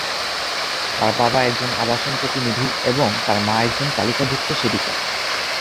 তার বাবা একজন আবাসন প্রতিনিধি, এবং তার মা একজন তালিকাভুক্ত সেবিকা।